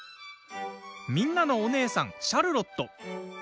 みんなのお姉さん、シャルロット。